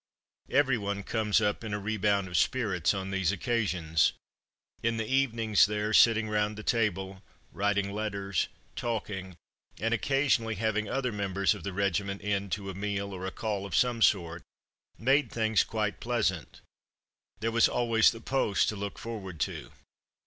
Every one comes up in a rebound of spirits on these occasions. In the evenings there, sitting round the table, writing letters, talking, and occasionally having other members of the regiment in to a meal or a call of some sort, made things quite pleasant. There was always the post to look forward to.